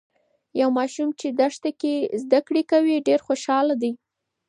یو ماشوم چې دښته کې زده کړې کوي، ډیر خوشاله دی.